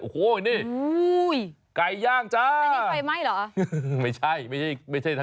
โอ้โฮนี่